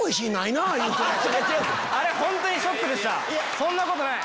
そんなことない。